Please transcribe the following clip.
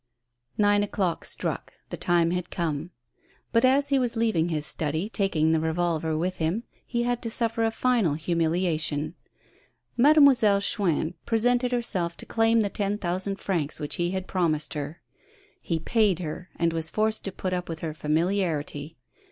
Nine o'clock struck. The time had come. But, as he was leaving his study, taking the revolver with him, he had to suffer a final humiliation. Mademoiselle Cl min presented herself to claim the ten thousand francs which he had promised her. He paid her, and was forced to put up with her familiarity.